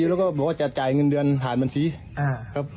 แล้วก็บอกว่าจะจ่ายเงินเดือนผ่านบัญชีครับ